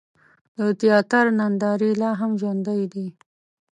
د تیاتر نندارې لا هم ژوندۍ دي.